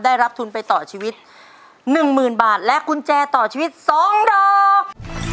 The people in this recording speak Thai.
ได้รับทุนไปต่อชีวิตหนึ่งหมื่นบาทและกุญแจต่อชีวิตสองดอก